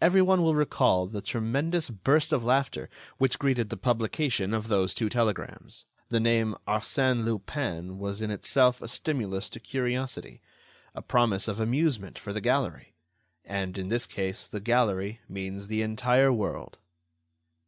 Every one will recall the tremendous burst of laughter which greeted the publication of those two telegrams. The name "Arsène Lupin" was in itself a stimulus to curiosity, a promise of amusement for the gallery. And, in this case, the gallery means the entire world.